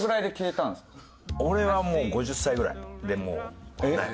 俺はもう５０歳ぐらいでもうない。